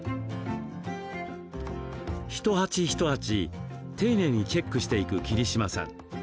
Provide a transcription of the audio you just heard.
一鉢一鉢、丁寧にチェックしていく桐島さん。